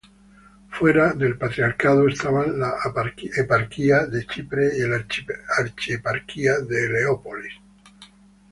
Fuera del patriarcado estaban la eparquía de Chipre y la archieparquía de Leópolis.